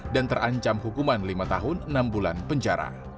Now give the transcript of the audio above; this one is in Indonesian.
dan terancam hukuman lima tahun enam bulan penjara